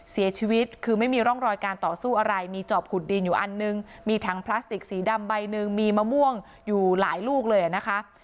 เสียชีวิตคือไม่มีร่องรอยการต่อสู้อะไรมีจอบขุดดินอยู่อันนึงมีถังพลาสติกสีดำใบหนึ่งมีมะม่วงอยู่หลายลูกเลยนะคะ